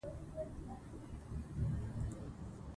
کتاب په دوو کلونو کې وپلورل شو.